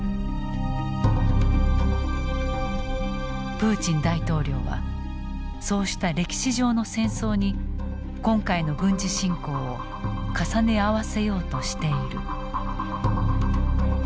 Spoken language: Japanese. プーチン大統領はそうした歴史上の戦争に今回の軍事侵攻を重ね合わせようとしている。